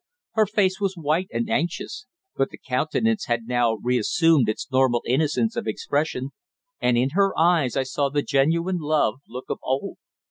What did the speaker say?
Her face was white and anxious, but the countenance had now reassumed its normal innocence of expression, and in her eyes I saw the genuine love look of old.